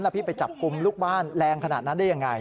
พี่ไปจับกลุ่มลูกบ้านแรงขนาดนั้นได้ยังไง